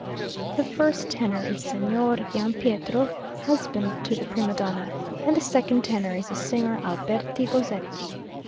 The first tenor is Signor Giampietro, husband to the prima donna; and the second tenor is the Signor Alberti Bozetti.